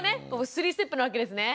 ３ステップなわけですね。